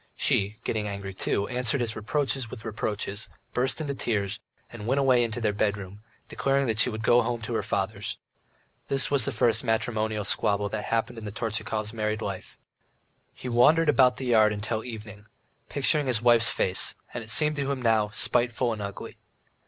She, getting angry too, answered his reproaches with reproaches, burst into tears, and went away into their bedroom, declaring she would go home to her father's. This was the first matrimonial squabble that had happened in the Tortchakov's married life. He walked about the yard till the evening, picturing his wife's face, and it seemed to him now spiteful and ugly.